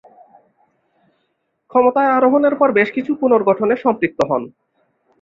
ক্ষমতায় আরোহণের পর বেশকিছু পুনর্গঠনে সম্পৃক্ত হন।